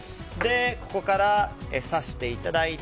ここから刺していただいて。